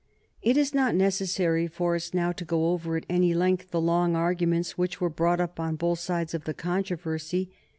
It is not necessary for us now to go over at any length the long arguments which were brought up on both sides of the controversy.